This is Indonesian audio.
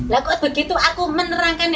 laku begitu aku menerangkan